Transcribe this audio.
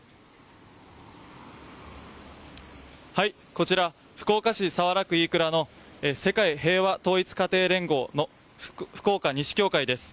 こちら、福岡市早良区飯倉の世界平和統一家庭連合の福岡西教会です。